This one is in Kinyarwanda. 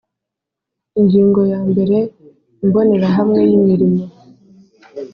Ingingo ya mbere Imbonerahamwe y’Imirimo